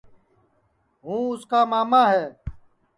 ہوں اُس کا ماما ہے